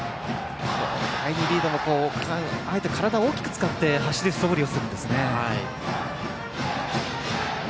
リードもあえて体を大きく使って走るそぶりをするんですね。